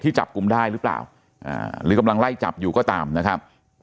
จับกลุ่มได้หรือเปล่าหรือกำลังไล่จับอยู่ก็ตามนะครับ